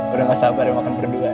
udah gak sabar ya makan berdua